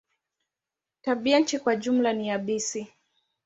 Tabianchi kwa jumla ni yabisi.